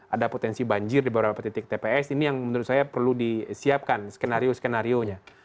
ada potensi banjir di beberapa titik tps ini yang menurut saya perlu disiapkan skenario skenario nya